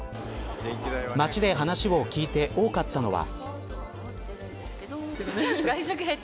街で話を聞いて多かったのは。